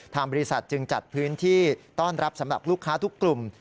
บริษัทจึงจัดพื้นที่ต้อนรับสำหรับลูกค้าทุกกลุ่ม